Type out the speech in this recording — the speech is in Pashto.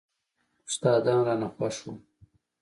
استادان رانه خوښ وو.